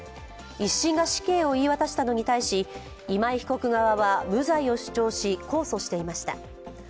一審が死刑を言い渡したのに対し今井被告側は無罪を主張し控訴していました。